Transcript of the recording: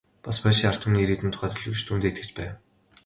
Бас польшийн ард түмний ирээдүйн тухай төлөвлөж, түүндээ итгэж байв.